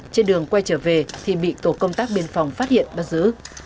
trên đường quay trở về thì bị tổ công tác biên phòng phát hiện bắt giữ